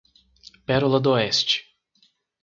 Pérola d'Oeste